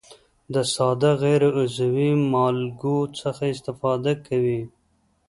د ساده غیر عضوي مالګو څخه استفاده کوي.